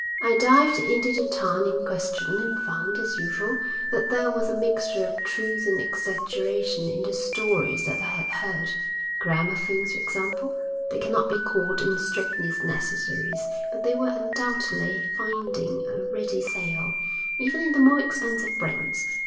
I dived into the town in question and found, as usual, that there was a mixture of truth and exaggeration in the stories that I had heard. Gramophones, for example: they cannot be called in strictness necessaries, but they were undoubtedly finding a ready sale, even in the more expensive brands.